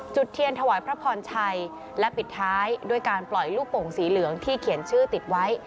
เทียนถวายพระพรชัยและปิดท้ายด้วยการปล่อยลูกโป่งสีเหลืองที่เขียนชื่อติดไว้